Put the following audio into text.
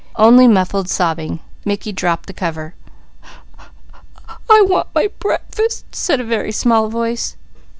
Only muffled sobbing. Mickey dropped the cover. "I want my breakfast," said a very small voice.